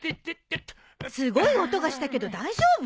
すごい音がしたけど大丈夫？